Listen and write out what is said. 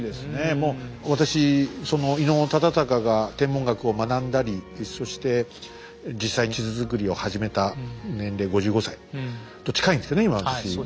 もう私その伊能忠敬が天文学を学んだりそして実際地図作りを始めた年齢５５歳と近いんですけどね